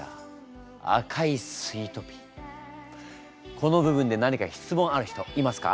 この部分で何か質問ある人いますか？